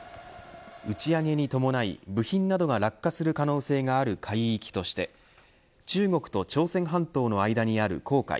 打ち上げに伴い、部品などが落下する可能性がある海域として中国と朝鮮半島の間にある黄海